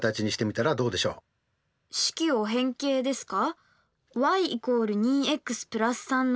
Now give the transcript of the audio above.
式を変形ですか？